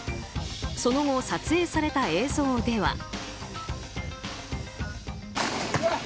その後、撮影された映像では。